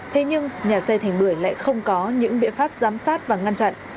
thế nhưng nhà xe thành bưởi lại không có những biện pháp giám sát và ngăn chặn